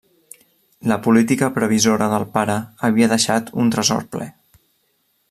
La política previsora del pare havia deixat un tresor ple.